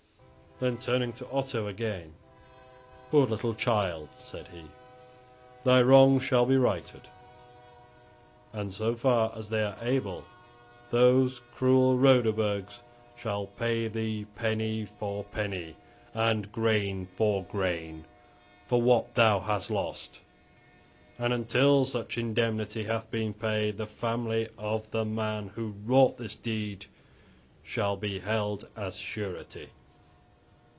Then turning to Otto again, "Poor little child," said he, "thy wrongs shall be righted, and so far as they are able, those cruel Roderburgs shall pay thee penny for penny, and grain for grain, for what thou hast lost; and until such indemnity hath been paid the family of the man who wrought this deed shall be held as surety."